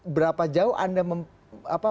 berapa jauh anda